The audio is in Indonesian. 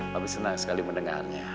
papi senang sekali mendengarnya